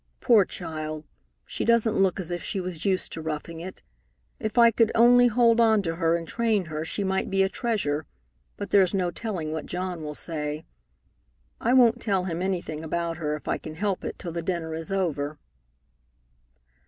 "Poor child! She doesn't look as if she was used to roughing it. If I could only hold on to her and train her, she might be a treasure, but there's no telling what John will say. I won't tell him anything about her, if I can help it, till the dinner is over."